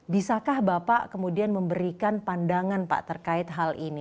bisakah bapak kemudian memberikan pandangan pak terkait hal ini